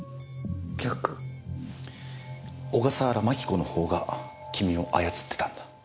小笠原槙子のほうが君を操ってたんだ。